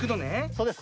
そうです。